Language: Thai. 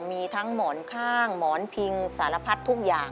มีทั้งหมอนข้างหมอนพิงสารพัดทุกอย่าง